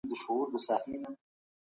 ازمایښتي څېړنه د نویو تجربو لاره ده.